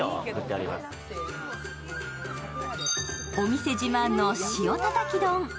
お店自慢の塩たたき丼。